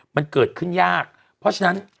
มันเกิดขึ้นยากเพราะฉะนั้น